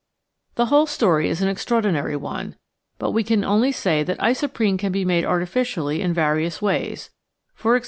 The whole story is an extraordinary one, but we can only say that isoprene can be made artificially in various ways, e.g.